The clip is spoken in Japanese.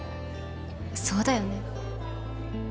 そうだよね。